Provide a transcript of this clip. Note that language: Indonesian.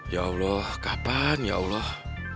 ya allah kapan ya allah